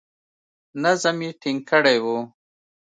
نظم یې ټینګ کړی وو.